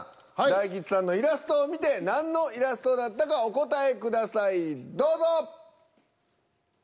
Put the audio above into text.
大吉さんのイラストを見て何のイラストだったかお答えくださいどうぞ！